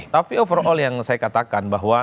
tapi overall yang saya katakan bahwa